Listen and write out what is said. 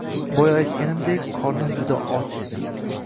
Boya aytganimdek, qornim juda och edi